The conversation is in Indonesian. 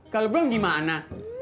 kalo belum gimana